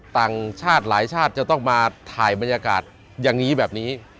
ต่างชาติหลายชาติจะต้องมาถ่ายบรรยากาศอย่างนี้แบบนี้